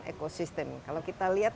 ekosistem kalau kita lihat